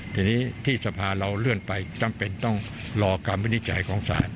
ทีนี้ที่สภาเราเลื่อนไปจำเป็นต้องรอคำวินิจฉัยของศาล